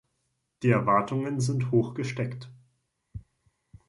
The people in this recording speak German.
Die Erwartungen sind hoch gesteckt.